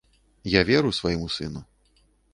Я веру свайму сыну.